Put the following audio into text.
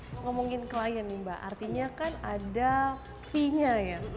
ngomongin klien nih mbak artinya kan ada fee nya ya